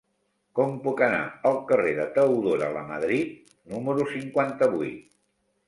Com puc anar al carrer de Teodora Lamadrid número cinquanta-vuit?